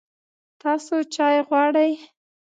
تاسو چای غواړئ؟